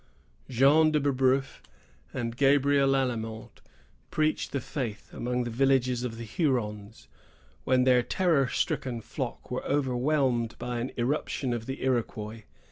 Jean de Brebeuf and Gabriel Lallemant preached the faith among the villages of the Hurons, when their terror stricken flock were overwhelmed by an irruption of the Iroquois.